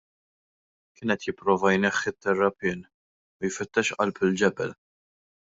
Kien qed jipprova jneħħi t-terrapien u jfittex qalb il-ġebel.